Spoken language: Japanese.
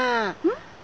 うん？